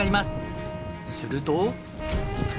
すると。